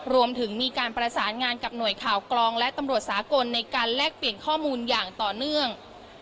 รวมถึงมีการประสานงานกับหน่วยข่าวกรองและตำรวจสากลในการแลกเปลี่ยนข้อมูลอย่างต่อเนื่อง